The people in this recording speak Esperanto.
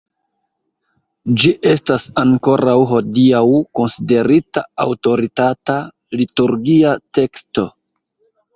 Ĝi estas ankoraŭ hodiaŭ konsiderita aŭtoritata liturgia teksto.